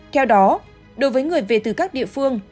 theo đó đối với người về từ các địa phương